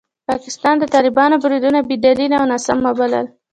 پاکستان د طالبانو بریدونه بې دلیله او ناسم وبلل.